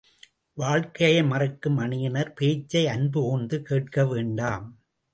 வாழ்க்கையை மறுக்கும் அணியினர் பேச்சை அன்புகூர்ந்து கேட்க வேண்டாம்!